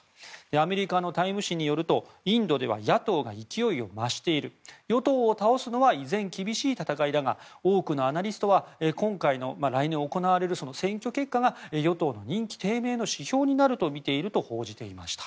アメリカのタイム誌によるとインドでは野党が勢いを増している与党を倒すのは依然、厳しい戦いだが多くのアナリストは今回の、来年行われる選挙結果が与党の人気低迷の指標になるとみていると報じていました。